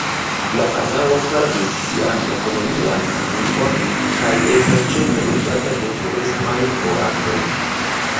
La kanalo perdis sian ekonomian signifon kaj estas ĉefe uzata de turismaj boatoj.